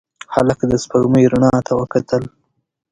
هلک د سپوږمۍ رڼا ته وکتل.